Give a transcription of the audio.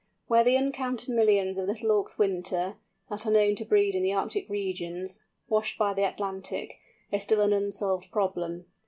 Where the uncounted millions of Little Auks winter, that are known to breed in the Arctic regions, washed by the Atlantic, is still an unsolved problem.